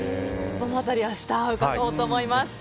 その辺り、明日伺おうと思います。